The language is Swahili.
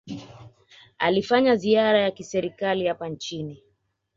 alifanya ziara ya kiserikali hapa nchini